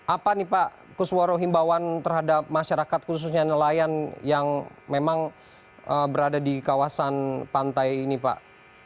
apa nih pak kesuara himbauan terhadap masyarakat khususnya nelayan yang memang berada di kawasan pantai ini pak